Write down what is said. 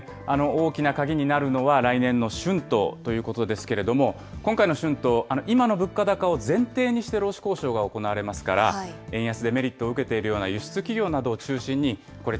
大きな鍵になるのは、来年の春闘ということですけれども、今回の春闘、今の物価高を前提にして労使交渉が行われますから、円安でメリットを受けているような輸出企業などを中心に、これ、